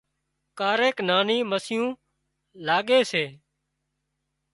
ڪاريڪ ناني مسيون لاڳي سي